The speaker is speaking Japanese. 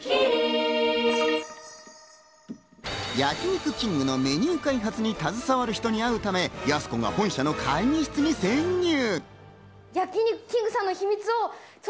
焼肉きんぐのメニュー開発に携わる人に会うため、やす子が本社の会議室に潜入。